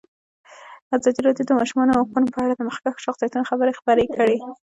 ازادي راډیو د د ماشومانو حقونه په اړه د مخکښو شخصیتونو خبرې خپرې کړي.